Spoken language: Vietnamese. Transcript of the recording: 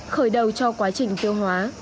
khởi đầu cho quá trình tiêu hóa